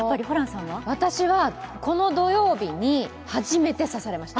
私はこの土曜日に初めて刺されました。